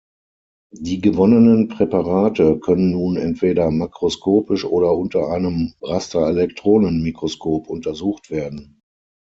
Die gewonnenen Präparate können nun entweder makroskopisch oder unter einem Rasterelektronenmikroskop untersucht werden.